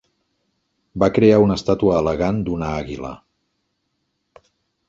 Va crear una estàtua elegant d'una àguila.